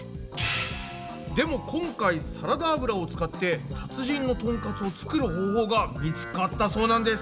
でも今回サラダ油を使って達人のトンカツを作る方法が見つかったそうなんです！